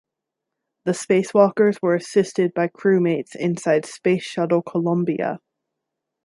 The space walkers were assisted by crewmates inside Space Shuttle "Columbia".